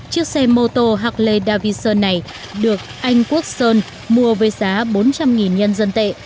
chiếc xe mô tô hackley davison này được anh quốc sơn mua với giá bốn trăm linh nhân dân tệ